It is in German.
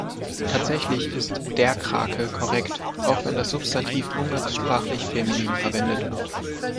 Tatsächlich ist "der Krake" korrekt, auch wenn das Substantiv umgangssprachlich feminin verwendet wird.